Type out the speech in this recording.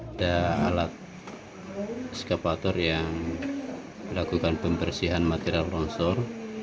ada alat eskavator yang melakukan pembersihan material longsor